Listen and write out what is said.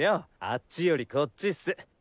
あっちよりこっちッス。